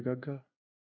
tetap aja gagal